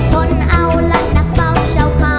ทนเอาและหนักเข้าเช้าคำ